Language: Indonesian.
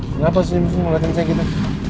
kenapa senyum senyum ngeliatin saya gitu